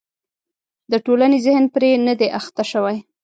د ټولنې ذهن پرې نه دی اخته شوی.